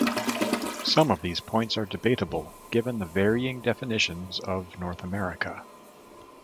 Some of these points are debatable, given the varying definitions of North America.